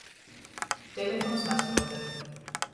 Telefons nastruodoj.